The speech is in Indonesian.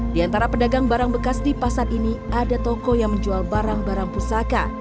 di antara pedagang barang bekas di pasar ini ada toko yang menjual barang barang pusaka